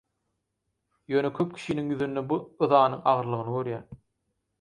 Ýöne köp kişiniň ýüzünde bu yzanyň agyrlygyny görýän.